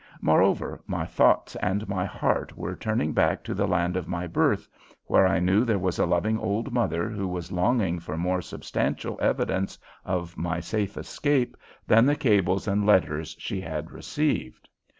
Moreover, my thoughts and my heart were turning back to the land of my birth, where I knew there was a loving old mother who was longing for more substantial evidence of my safe escape than the cables and letters she had received.